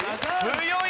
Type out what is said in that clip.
強い！